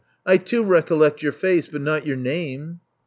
I, too, recollect your face, but not your name."